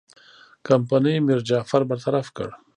کمپنۍ میرجعفر برطرف کړ.